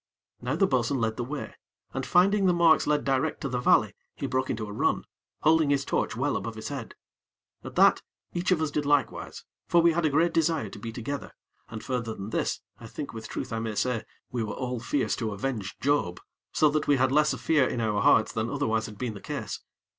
Now the bo'sun led the way, and, finding the marks led direct to the valley, he broke into a run, holding his torch well above his head. At that, each of us did likewise; for we had a great desire to be together, and further than this, I think with truth I may say, we were all fierce to avenge Job, so that we had less of fear in our hearts than otherwise had been the case.